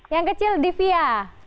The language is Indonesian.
yang kecil divya